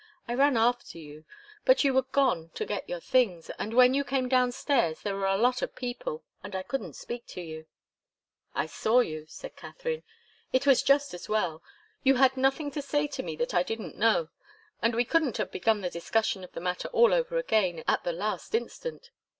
I ran after you, but you were gone to get your things, and when you came downstairs there were a lot of people, and I couldn't speak to you." "I saw you," said Katharine. "It was just as well. You had nothing to say to me that I didn't know, and we couldn't have begun the discussion of the matter all over again at the last instant.